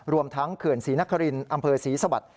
รวมทั้งเขื่อนศรีนครินอำเภอศรีสวัสดิ